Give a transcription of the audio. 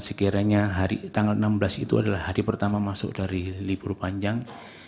sekiranya tanggal enam belas itu adalah hari pertama masuk dari libur panjang